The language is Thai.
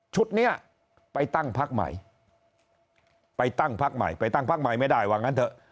นี้ไปตั้งพักใหม่ไปตั้งพักใหม่ไปตั้งพักใหม่ไม่ได้ว่างั้นเถอะ